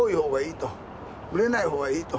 熟れない方がいいと。